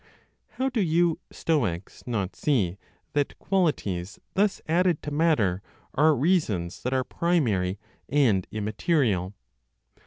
How do you (Stoics) not see that qualities thus added to matter are reasons, that are primary and immaterial?